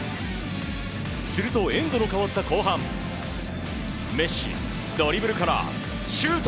すると、エンドの変わった後半メッシ、ドリブルからシュート！